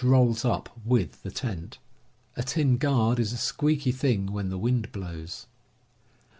. rolls up with the tent. A tin guard is a ^* squeaky thing when the wind blows.